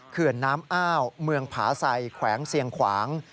เขื่อนน้ำอ้าวเมืองผาไซแขวงเสียงขวาง